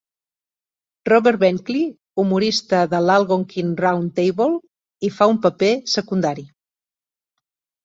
Robert Benchley, humorista de l'Algonquin Round Table, hi fa un paper secundari.